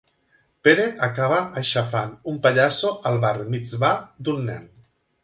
Pere acaba aixafant un pallasso al bar mitsvà d'un nen.